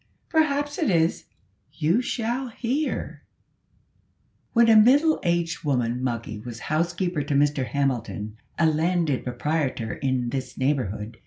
"Perhaps it is. You shall hear: "When a middle aged woman, Moggy was housekeeper to Mr Hamilton, a landed proprietor in this neighbourhood.